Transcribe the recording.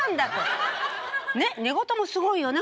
ねっ寝言もすごいよね